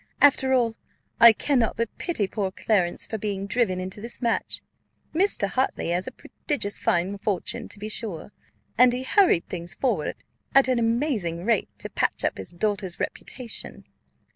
After all, I cannot but pity poor Clarence for being driven into this match. Mr. Hartley has a prodigious fine fortune, to be sure, and he hurried things forward at an amazing rate, to patch up his daughter's reputation.